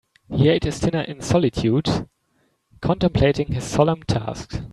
He ate his dinner in solitude, contemplating his solemn task.